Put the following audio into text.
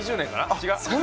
違う。